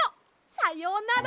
さようなら！